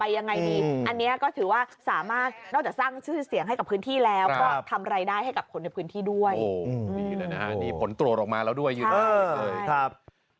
อันนี้ก็ถือว่าสามารถนอกจากสร้างชื่อเสียงให้กับพื้นที่แล้วก็ทำรายได้ให้กับคนในพื้นที่ด้วยนี่ผลตัวลงมาแล้วด้วยครับ